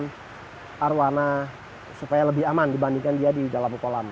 dengan arowana supaya lebih aman dibandingkan dia di dalam kolam